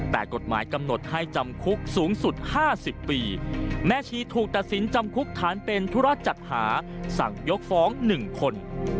แต่กฎหมายกำหนดให้จำคุกสูงสุด๕๐ปีแม่ชีถูกตัดสินจำคุกฐานเป็นธุระจัดหาสั่งยกฟ้อง๑คน